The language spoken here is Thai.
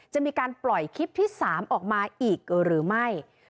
จะมีการปล่อยคลิปที่๓ออกมาอีกหรือไม่